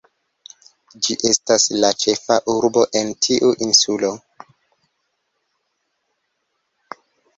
Ĝi estas la ĉefa urbo en tiu insulo.